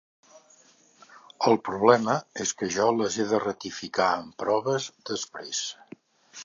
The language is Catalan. El problema és que jo les he de ratificar amb proves, després.